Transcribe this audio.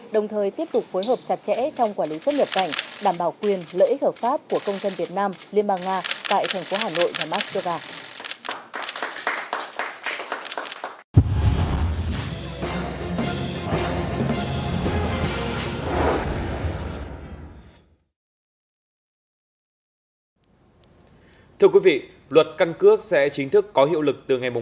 đồng thời tiếp tục phối hợp chặt chẽ trong quản lý xuất nhập cảnh đảm bảo quyền lợi ích hợp pháp của công dân việt nam liên bang nga tại thành phố hà nội và mắc cơ ga